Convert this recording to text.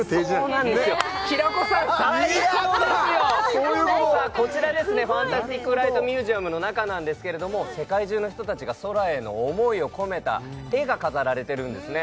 そういうことこちらファンタスティック・フライト・ミュージアムの中なんですけれども世界中の人達が空への思いを込めた絵が飾られてるんですね